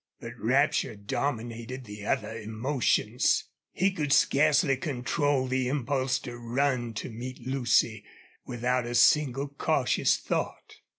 But rapture dominated the other emotions. He could scarcely control the impulse to run to meet Lucy, without a single cautious thought.